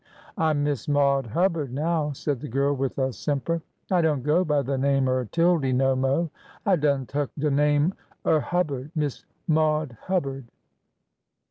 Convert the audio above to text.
" I 'm Miss Maude Hubbard now," said the girl, with a simper. " I don't go by de name er Tildy no mo'. I done tuk de name er Hubbard — Miss Maude Hubbard."